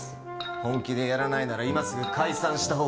本気でやらないなら今すぐ解散したほうがいい。